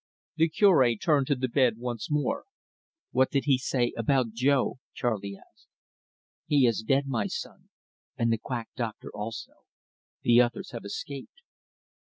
The Cure turned to the bed once more. "What did he say about Jo?" Charley asked. "He is dead, my son, and the quack doctor also. The others have escaped."